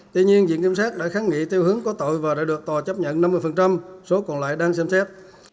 tuy nhiên diện kiểm soát đã kháng nghị tiêu hướng có tội và đã được tòa chấp nhận năm mươi số còn lại đang xem xét